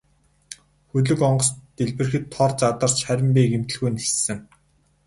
Хөлөг онгоц дэлбэрэхэд тор задарч харин би гэмтэлгүй ниссэн.